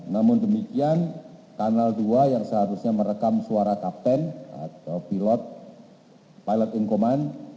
namun demikian kanal dua yang seharusnya merekam suara kapten atau pilot pilot in command